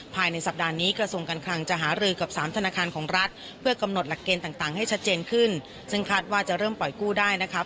ภายในสัปดาห์นี้กระทรวงการคลังจะหารือกับสามธนาคารของรัฐเพื่อกำหนดหลักเกณฑ์ต่างให้ชัดเจนขึ้นซึ่งคาดว่าจะเริ่มปล่อยกู้ได้นะครับ